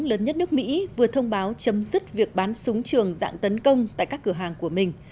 lớn nhất nước mỹ vừa thông báo chấm dứt việc bán súng trường dạng tấn công tại các cửa hàng của mình